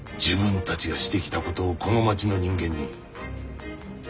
自分たちがしてきたことをこの町の人間に。